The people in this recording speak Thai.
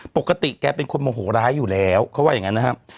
ปกติแกเป็นคนโมโหร้ายอยู่แล้วเขาว่าอย่างนั้นนะครับ